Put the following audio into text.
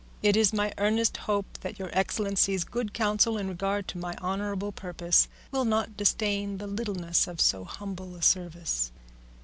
It is my earnest hope that Your Excellency's good counsel in regard to my honourable purpose, will not disdain the littleness of so humble a service.